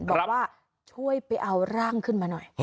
บอกว่าช่วยไปเอาร่างขึ้นมาหน่อย